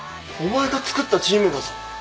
お前がつくったチームだぞ。